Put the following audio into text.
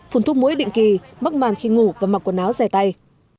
phun thuốc muối định kỳ mắc màn khi ngủ và mặc quần áo dài tay